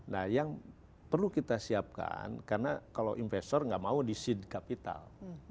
nah yang perlu kita siapkan karena kalau investor nggak mau di seed capital